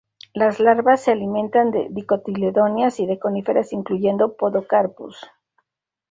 Las larvas se alimentan de dicotiledóneas y de coníferas incluyendo "Podocarpus".